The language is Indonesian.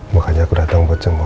makanya aku datang buat semua